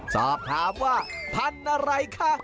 สอบถามว่าพันธุ์อะไรคะ